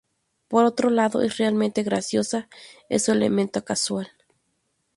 Por otro lado, es realmente graciosa... Es su elemento casual.